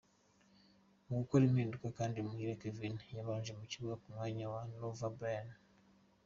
Mu gukora impinduka kandi Muhire Kevin yabanje mu kibuga mu mwanya wa Nova Bayama.